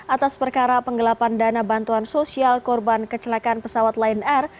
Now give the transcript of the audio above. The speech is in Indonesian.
atas perkara penggelapan dana bantuan sosial korban kecelakaan pesawat lion air